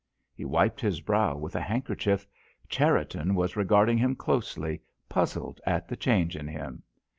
He wiped his brow with a handkerchief. Cherriton was regarding him closely, puzzled at the change in him.